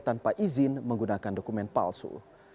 tanpa izin menggunakan dokumen palsu